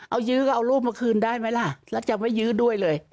เอายื้อก็เอารูปมาคืนได้ไหมล่ะแล้วจะไม่ยื้อด้วยเลย